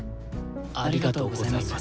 ありがとうございます。